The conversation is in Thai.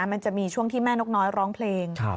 มันจะมีช่วงที่แม่นกน้อยร้องเพลง